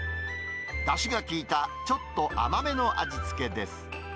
だしが効いたちょっと甘めの味付けです。